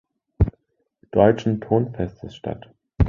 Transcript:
Deutschen Turnfestes statt.